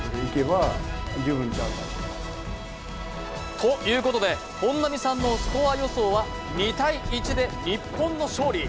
ということで、本並さんのスコア予想は２−１で日本の勝利。